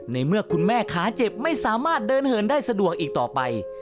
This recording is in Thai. ในเมื่อคุณแม่ขาเจ็บไม่สามารถเดินเหินได้สะดวกอีกต่อไป